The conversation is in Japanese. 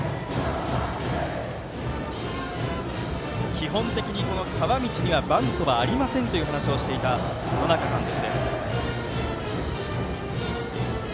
基本的に川道にはバントはありませんという話をしていた野仲監督。